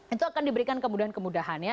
itu akan diberikan kemudahan kemudahan ya